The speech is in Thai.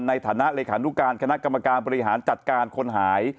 ในฐานะเลขานุการคณะกรรมการบริหารจัดการคนหาย